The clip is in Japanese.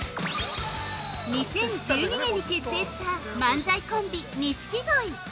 ◆２０１２年に結成した漫才コンビ錦鯉。